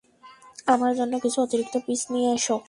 আমার জন্য কিছু অতিরিক্ত পিস নিয়ে এসো।